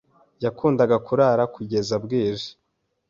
Yakundaga kurara kugeza bwije.